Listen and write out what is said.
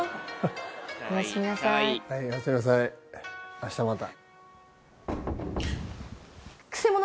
明日また。